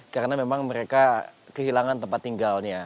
karena memang mereka kehilangan tempat tinggalnya